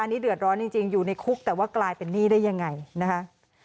อันนี้เดือดร้อนจริงอยู่ในคุกแต่ว่ากลายเป็นหนี้ได้ยังไงนะคะ